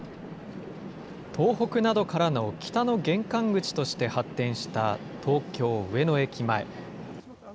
東北などからの北の玄関口として発展した東京・上野駅前。